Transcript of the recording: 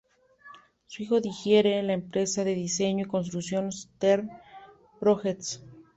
Su hijo dirige la empresa de diseño y construcción Stern Projects.